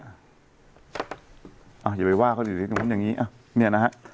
อ่าอย่าไปว่าเขาอยู่อย่างงี้อ่ะนี่นะฮะ